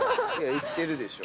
生きてるでしょ。